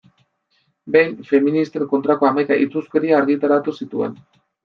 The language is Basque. Behin feministen kontrako hamaika itsuskeria argitaratu zituen.